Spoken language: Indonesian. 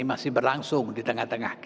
masih berlangsung di tengah tengah